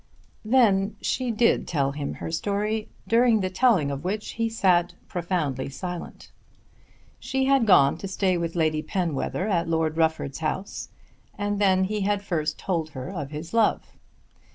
Then she did tell him her story, during the telling of which he sat profoundly silent. She had gone to stay with Lady Penwether at Lord Rufford's house, and then he had first told her of his love.